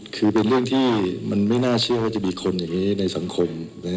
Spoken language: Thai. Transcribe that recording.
คือเป็นเรื่องที่มันไม่น่าเชื่อว่าจะมีคนอย่างนี้ในสังคม